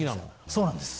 そうなんです。